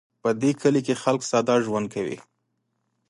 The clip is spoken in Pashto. په دې کلي کې خلک ساده ژوند کوي